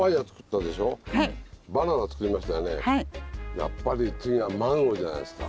やっぱり次はマンゴーじゃないですか？